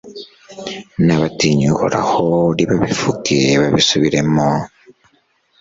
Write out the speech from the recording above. N’abatinya Uhoraho nibabivuge babisubiremo